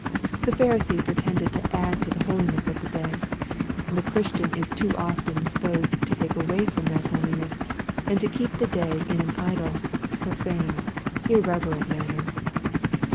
The Pharisee pretended to add to the holiness of the day. The Christian is too often disposed to take away from that holiness^ and to keep the day in an idle, profane, irreverent manner.